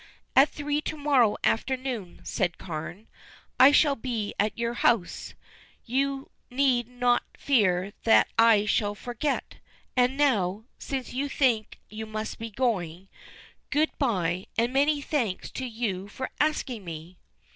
"At three to morrow afternoon," said Carne, "I shall be at your house. You need have no fear that I shall forget. And now, since you think you must be going, good bye, and many thanks to you for asking me."